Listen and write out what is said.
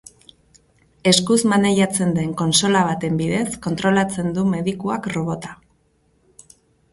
Eskuz maneiatzen den kontsola baten bidez kontrolatzen du medikuak robota.